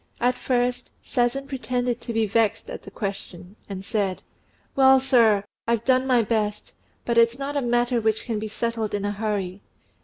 At first Sazen pretended to be vexed at the question, and said, "Well, sir, I've done my best; but it's not a matter which can be settled in a hurry.